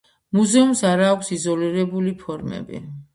მუზეუმს არ აქვს იზოლირებული ფორმები.